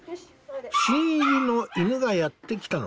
新入りの犬がやって来たのだ。